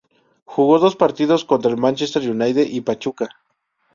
Jugó dos partidos contra el Manchester United y Pachuca.